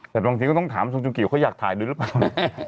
แต่บางทีก็ต้องถามทรงจูกิเขาอยากถ่ายด้วยหรือเปล่านะ